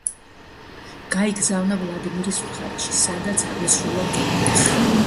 გაიგზავნა ვლადიმირის მხარეში, სადაც აღესრულა კიდეც.